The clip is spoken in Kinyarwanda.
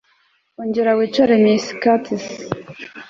Ongera wicare Miss Curtis